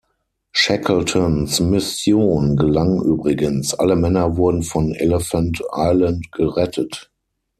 Shackletons Mission gelang übrigens; alle Männer wurden von Elephant Island gerettet.